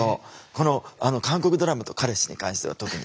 この韓国ドラマと彼氏に関しては特に。